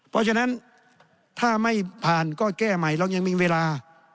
เพราะฉะนั้นถ้าไม่ผ่านก็แก้ใหม่เรายังมีเวลา